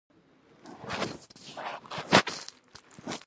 ازادي راډیو د اقلیتونه په اړه د ننګونو یادونه کړې.